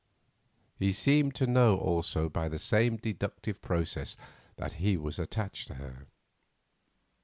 He seemed to know also by the same deductive process that he was attached to her.